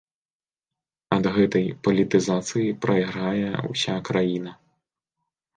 Ад гэтай палітызацыі прайграе ўся краіна.